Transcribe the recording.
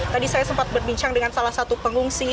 tadi saya sempat berbincang dengan salah satu pengungsi